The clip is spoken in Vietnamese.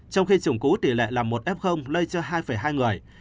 trong khi chủng cũ tỷ lệ là một f lây cho hai hai người